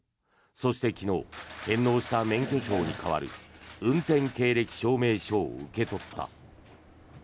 そして昨日返納した免許証に代わる運転経歴証明書を受け取った。